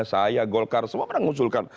saya golkar semua orang mengusulkan